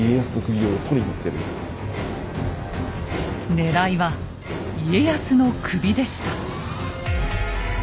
ねらいは家康の首でした。